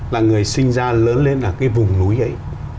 là người sinh ra lớn lên ở cái vùng núi ấy